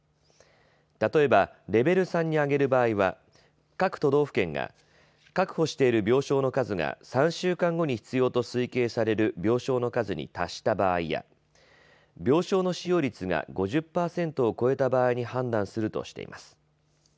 例えばレベル３に上げる場合は各都道府県が確保している病床の数が３週間後に必要と推計される病床の数に達した場合や病床の使用率が５０％を超えた場合に判断するとしています。